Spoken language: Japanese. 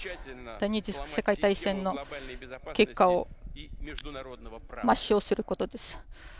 第二次世界大戦の結果を抹消することです。